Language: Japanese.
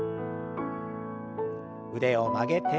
腕を曲げて。